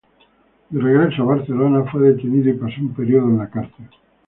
De regreso a Barcelona fue detenido y pasó un período en la cárcel.